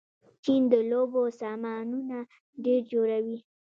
چین د لوبو سامانونه ډېر جوړوي.